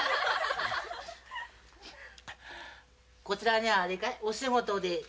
こちらにはお仕事で？